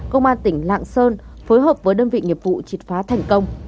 công an tỉnh lạng sơn phối hợp với đơn vị nghiệp vụ triệt phá thành công